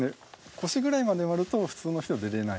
腰ぐらいまで埋まると普通の人は出られない。